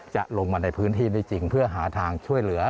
จะลงมาในพื้นที่ได้จริงเพื่อหาทางช่วยเหลือ